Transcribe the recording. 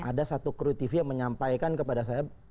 ada satu kru tv yang menyampaikan kepada saya